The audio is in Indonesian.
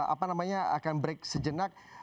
apa namanya akan break sejenak